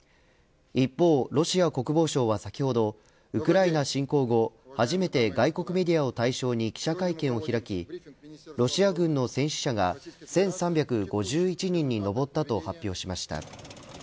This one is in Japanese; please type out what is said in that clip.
一方、ロシア国防省は先ほどウクライナ侵攻後初めて外国メディアを対象に記者会見を開きロシア軍の戦死者が１３５１人に上ったと発表しました。